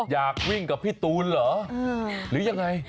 อยากวิ่งกับพี่ตูนเหรอหรือยังไง